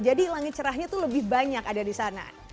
jadi langit cerahnya tuh lebih banyak ada di sana